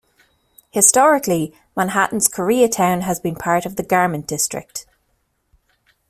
Historically, Manhattan's Koreatown has been part of the Garment District.